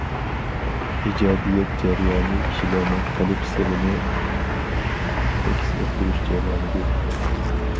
ئىجادىيەت جەريانى كىشىلەرنىڭ قەلب سىرىنى ئەكس ئەتتۈرۈش جەريانىدۇر.